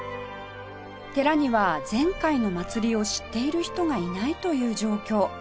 寺には前回の祭りを知っている人がいないという状況